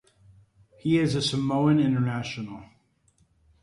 He is a Samoan international.